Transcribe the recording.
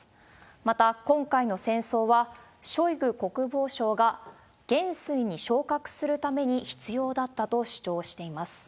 また、今回の戦争は、ショイグ国防相が元帥に昇格するために必要だったと主張しています。